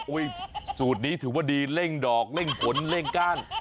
สูตรนี้ถือว่าดีเร่งดอกเร่งผลเร่งก้าน